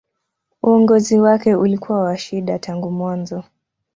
Uongozi wake ulikuwa wa shida tangu mwanzo.